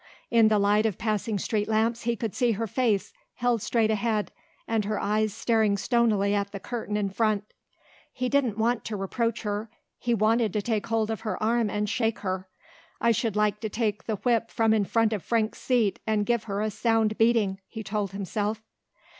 In the light of passing street lamps he could see her face held straight ahead and her eyes staring stonily at the curtain in front. He didn't want to reproach her; he wanted to take hold of her arm and shake her. "I should like to take the whip from in front of Frank's seat and give her a sound beating," he told himself.